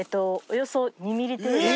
およそ２ミリ程度。